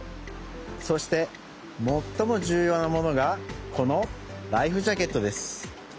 そしてもっともじゅうようなものがこのライフジャケットです。